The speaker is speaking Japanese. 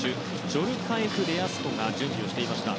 ジョルカエフ・レアスコが準備していました。